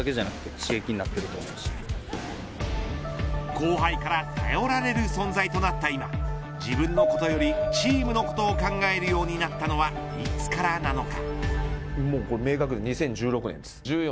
後輩から頼られる存在となった今自分のことよりチームのことを考えるようになったのはいつからなのか。